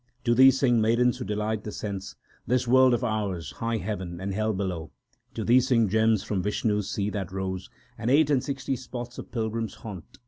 To Thee sing maidens who delight the sense, This world of ours, high heaven, and hell below. To Thee sing gems from Vishnu s sea that rose, And eight and sixty spots of pilgrims haunt.